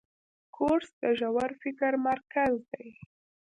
کورس د ژور فکر مرکز دی.